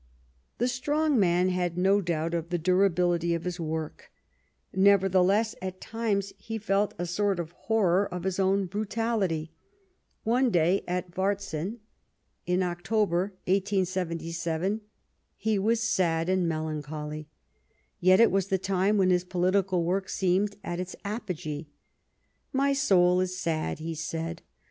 The strong man had no doubt of the durabiUty of his work ; nevertheless, at times he felt a sort of horror of his own brutality. One day, at Varzin, 239 Bismarck in October 1877, he was sad and melancholy ; yet it was the time when his political work seemed at its apogee. " My soul is sad," he said.